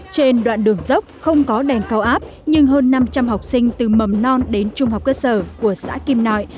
trên đoạn đường dốc không có đèn cao áp nhưng hơn năm trăm linh học sinh từ mầm non đến trung học cơ sở của xã kim nội